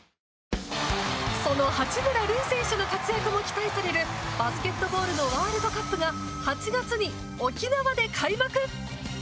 その八村塁選手の活躍も期待されるバスケットボールのワールドカップが８月に沖縄で開幕！